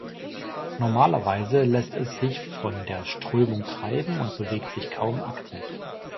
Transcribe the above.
Normalerweise lässt es sich von der Strömung treiben und bewegt sich kaum aktiv.